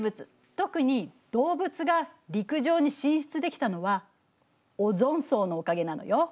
特に動物が陸上に進出できたのはオゾン層のおかげなのよ。